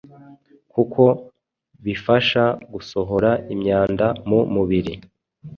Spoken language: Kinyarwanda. kuko bifasha gusohora imyanda mu mubiri